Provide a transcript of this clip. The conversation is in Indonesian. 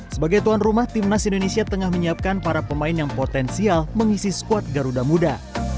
sebagai tuan rumah timnas indonesia tengah menyiapkan para pemain yang potensial mengisi skuad garuda muda